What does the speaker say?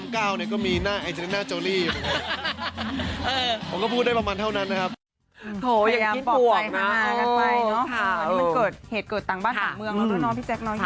พยายามปอบใจธรรมานากันไปเนอะทีมันเกิดเหตุเกิดต่างบ้านต่างเมืองละด้วยเนอะพี่แจ๊ก